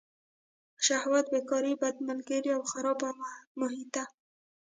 شهوت، بېکاري، بد ملګري او خرابه محیطه.